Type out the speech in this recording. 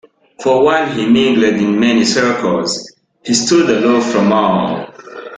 For while he mingled in many circles, he stood aloof from all.